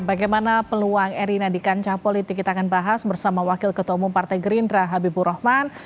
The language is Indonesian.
bagaimana peluang erina di kancah politik kita akan bahas bersama wakil ketua umum partai gerindra habibur rahman